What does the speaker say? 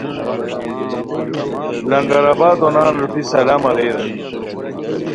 لنگر آبادو نان روپھی سلام اریر